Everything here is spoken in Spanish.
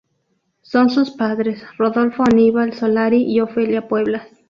Son sus padres: Rodolfo Aníbal Solari, y Ofelia Pueblas